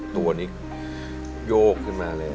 ตัวนี้โยกขึ้นมาเลย